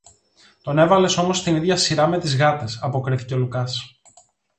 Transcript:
Τον έβαλες όμως στην ίδια σειρά με τις γάτες, αποκρίθηκε ο Λουκάς.